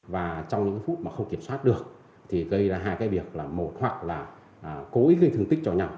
và trong những phút mà không kiểm soát được thì gây ra hai cái việc là một hoặc là cố ý gây thương tích cho nhau